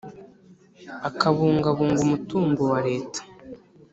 akabungabunga umutungo wa leta,